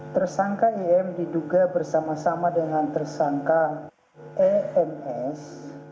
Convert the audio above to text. tersangka im diduga bersama sama dengan tersangka ems